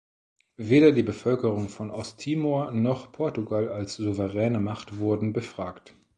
Weder die Bevölkerung von Osttimor noch Portugal als souveräne Macht wurden befragt.